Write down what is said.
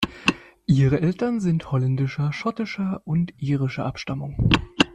Ihre Eltern sind holländischer, schottischer und irischer Abstammung.